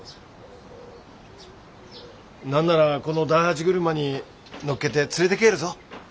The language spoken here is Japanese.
何ならこの大八車に乗っけて連れて帰るぞ。